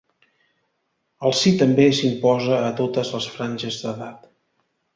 El sí també s’imposa a totes les franges d’edat.